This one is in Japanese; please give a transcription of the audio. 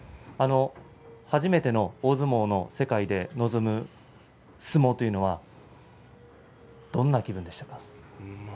初めての大相撲の世界での相撲というのはどんな気分でしたか？